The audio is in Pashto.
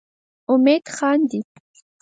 امید خاندي.